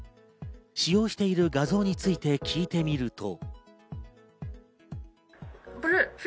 使用している画像について聞いてみると。